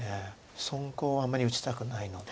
損コウはあまり打ちたくないので。